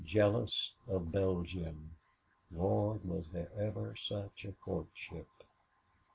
"Jealous of Belgium! Lord, was there ever such a courtship!"